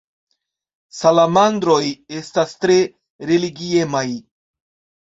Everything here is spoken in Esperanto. Salamandroj estas tre religiemaj.